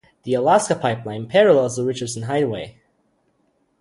The Alaska Pipeline parallels the Richardson Highway.